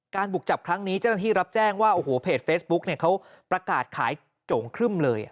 การบุกจับครั้งนี้จะที่รับแจ้งว่าเพจเฟซบุ๊กนี่เขาประกาศขายโจมครึ่มเลย